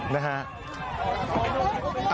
นะฮะ